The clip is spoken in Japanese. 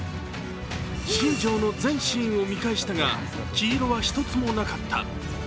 新庄の全シーンを見返したが、黄色は一つもなかった。